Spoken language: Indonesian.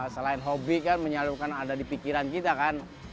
selain hobi kan menyalurkan ada di pikiran kita kan